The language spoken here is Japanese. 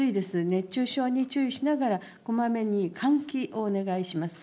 熱中症に注意しながら、こまめに換気をお願いします。